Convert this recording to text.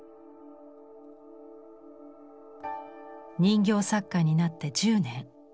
人形作家になって１０年。